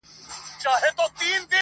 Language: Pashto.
o خلک د ازادۍ مجسمې په اړه خبري کوي ډېر,